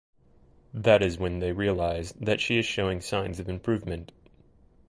That is when they realize that she is showing signs of improvement.